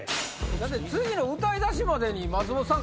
次の歌い出しまでに松本さん